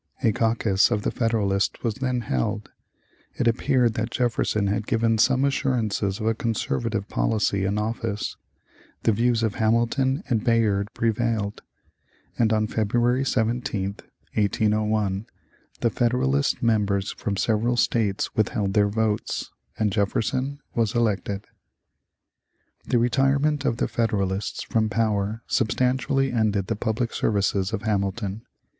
A caucus of the Federalists was then held; it appeared that Jefferson had given some assurances of a conservative policy in office, the views of Hamilton and Bayard prevailed, and on February 17, 1801, the Federalist members from several states withheld their votes, and Jefferson was elected. The retirement of the Federalists from power substantially ended the public services of Hamilton.